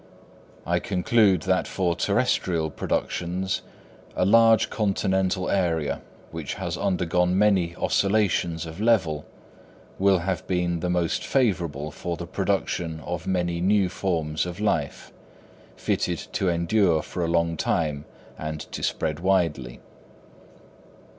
I conclude that for terrestrial productions a large continental area, which has undergone many oscillations of level, will have been the most favourable for the production of many new forms of life, fitted to endure for a long time and to spread widely.